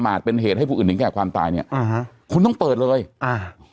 ประมาทเป็นเหตุให้ผู้อื่นแห่งไกลความตายเนี่ยอาฮะคุณต้องเปิดเลยอ่า